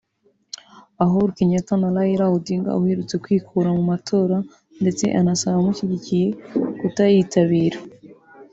uhuru Kenyatta na Raila Odinga uherutse kwikura mu matora ndetse anasaba abamushyigikiye kutayitabira